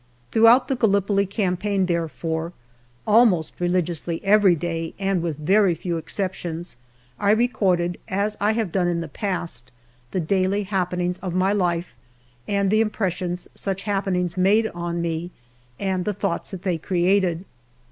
Throughout the Gallipoli campaign, therefore, almost religiously every day and with very few exceptions I re corded, as I have done in the past, the daily happenings of my life and the impressions such happenings made on me, and the thoughts that they created.